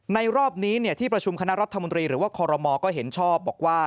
รอบนี้ที่ประชุมคณะรัฐมนตรีหรือว่าคอรมอลก็เห็นชอบบอกว่า